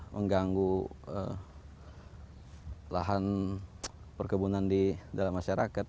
mengganggu lahan perkebunan di dalam masyarakat